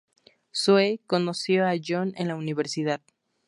Zoe conoció a John en la Universidad.